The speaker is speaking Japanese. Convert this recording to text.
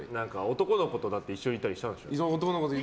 男の子と一緒にいたりしたんでしょ？